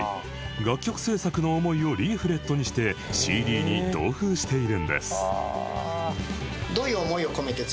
楽曲制作の思いをリーフレットにして ＣＤ に同封しているんです